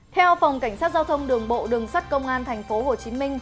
theo phòng cảnh sát giao thông đường bộ đường sắt công an tp hcm